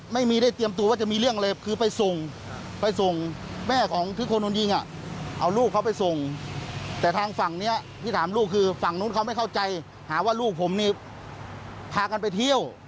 ไม่ได้พูดอะไรเลย